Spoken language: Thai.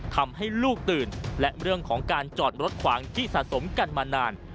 ทำให้ลูกตื่นและเรื่องของการจอดรถขวางที่สะสมกันมานาน